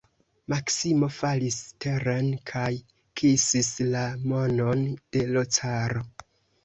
Maksimo falis teren kaj kisis la manon de l' caro.